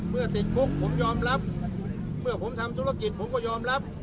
ติดคุกผมยอมรับเมื่อผมทำธุรกิจผมก็ยอมรับ